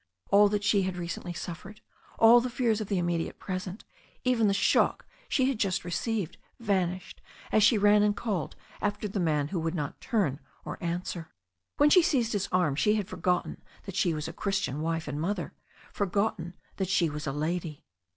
All that she had recently suffered, all the fears of the immediate present, even the shock she had just received, vanished as she ran and called after the man who would not turn or answer. When she seized his arm she had forgotten that she was a Christian wife and mother, forgotten that she was a lady.